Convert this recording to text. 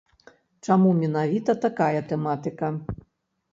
Чаму менавіта такая тэматыка?